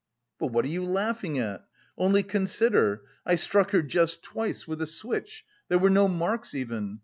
"But what are you laughing at? Only consider, I struck her just twice with a switch there were no marks even...